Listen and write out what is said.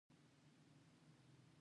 د پیسو ګړندی گردش اقتصاد تقویه کوي.